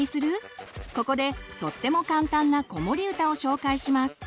ここでとっても簡単な子守歌を紹介します。